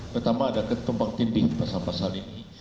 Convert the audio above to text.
pertama ada ketumbang tinggi pasal pasal ini